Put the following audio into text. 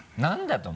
何だ？